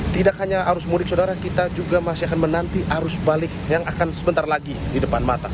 tidak hanya arus mudik saudara kita juga masih akan menanti arus balik yang akan sebentar lagi di depan mata